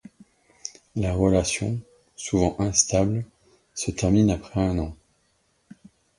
La relation, souvent instable, se termine après un an.